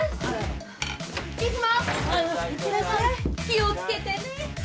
気を付けてね。